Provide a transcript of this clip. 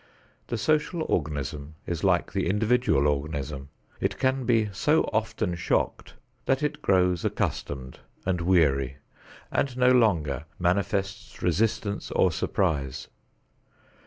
The social organism is like the individual organism: it can be so often shocked that it grows accustomed and weary and no longer manifests resistance or surprise.